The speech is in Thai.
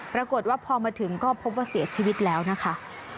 ปรากฏว่าพอมาถึงก็พบว่าเสียชีวิตแล้วนะคะ